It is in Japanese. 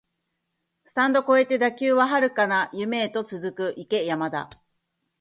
スタンド超えて打球は遥かな夢へと続く、行け山田